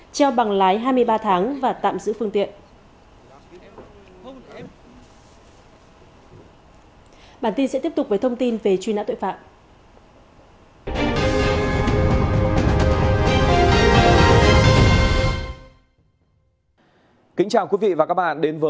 treo bằng lái hai mươi ba tháng và tạm giữ phương tiện